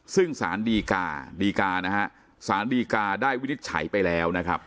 ซึ่งสารดีการ์ได้วินิจฉัยไปแล้วนะครับ